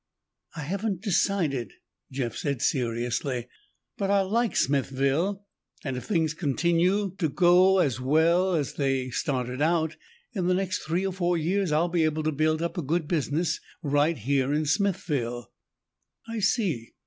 "I haven't decided," Jeff said seriously. "But I like Smithville, and if things continue to get as well as they've started out, in the next three or four years I'll be able to build up a good business right in Smithville." "I see.